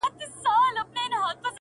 یوه شپه دي پر مزار باندي بلېږي!!